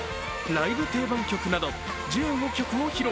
ライブ定番曲など１５曲を披露。